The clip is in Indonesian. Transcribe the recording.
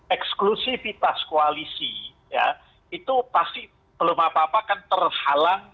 eksklusifitas koalisi itu pasti belum apa apa akan terhalang